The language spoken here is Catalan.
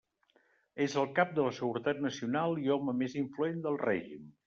És el cap de la seguretat nacional i home més influent del règim.